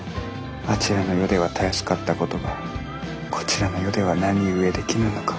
あちらの世ではたやすかったことがこちらの世では何故できぬのか。